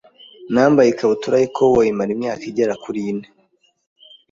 Nambaye ikabutura y’ikoboyi, mara imyaka igera kuri ine